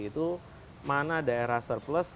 itu mana daerah surplus